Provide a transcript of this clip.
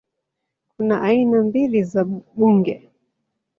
Kuna aina mbili za bunge